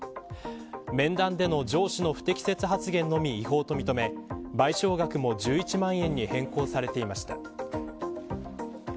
面談での上司の不適切発言のみ違法と認め賠償額も１１万円に変更されていました。